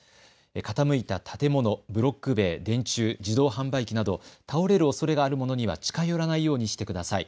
傾いた建物、ブロック塀、電柱、自動販売機など倒れるおそれがあるものには近寄らないようにしてください。